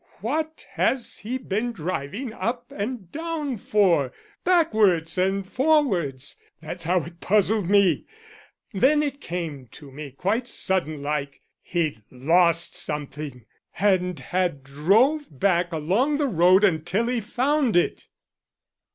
What has he been driving up and down for backwards and forwards? That's how it puzzled me. Then it came to me quite sudden like he'd lost something and had drove back along the road until he found it."